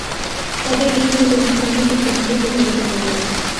তবে এই ঘটনা অন্য বিজ্ঞানীদের প্রভাবিত করল।